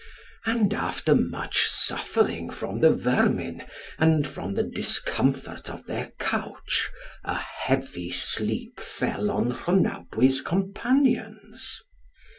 And after much suffering from the vermin, and from the discomfort of their couch, a heavy sleep fell on Rhonabwy's companions.